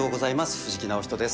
藤木直人です。